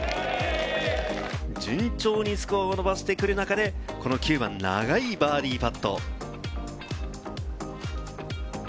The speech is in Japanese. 順調にスコアを伸ばしてくる中で、この９番、長いバーディーパット。